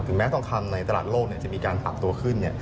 แม้ทองคำในตลาดโลกจะมีการปรับตัวขึ้น